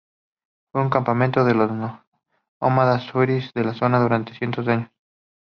Fue un campamento de los nómadas saharauis de la zona durante cientos de años.